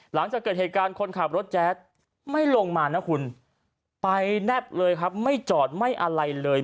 หลังจากเกิดเหตุการณ์คนขับรถแจ๊ดไม่ลงมานะคุณไปแนบเลยครับไม่จอดไม่อะไรเลย